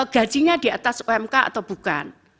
gajinya di atas umk atau bukan